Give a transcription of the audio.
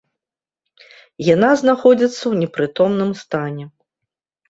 Яна знаходзіцца ў непрытомным стане.